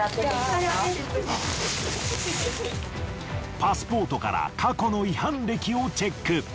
パスポートから過去の違反歴をチェック。